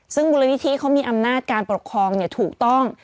ซึ่งมูลนิธิเขามีอำนาจการปกครองถูกต้อง